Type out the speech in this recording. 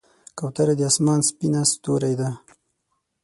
کوتره د آسمان سپینه ستورۍ ده.